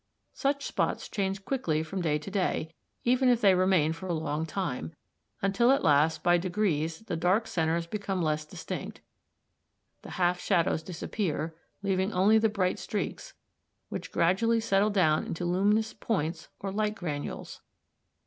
Such spots change quickly from day to day, even if they remain for a long time, until at last by degrees the dark centres become less distinct, the half shadows disappear, leaving only the bright streaks, which gradually settle down into luminous points or light granules.